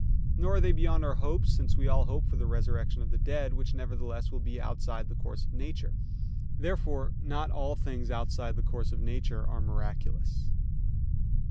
Nor are they beyond our hopes, since we all hope for the resurrection of the dead, which nevertheless will be outside the course of nature. Therefore not all things are outside the course of nature are miraculous.